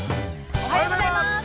◆おはようございます。